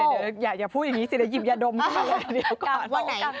เดี๋ยวอย่าพูดแบบนี้สินายยิ่มยาดมมาก่อน